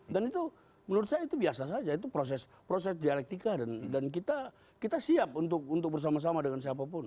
dan itu menurut saya itu biasa saja itu proses dialektika dan kita siap untuk bersama sama dengan siapapun